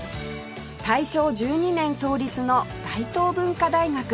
大正１２年創立の大東文化大学